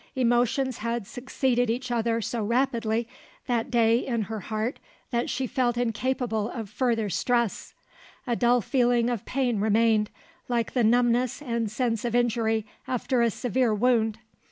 Emotions had succeeded each other so rapidly that day in her heart that she felt incapable of further stress; a dull feeling of pain remained, like the numbness and sense of injury after a severe wound.